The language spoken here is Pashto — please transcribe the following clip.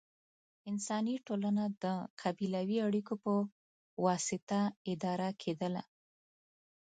انساني ټولنه د قبیلوي اړیکو په واسطه اداره کېدله.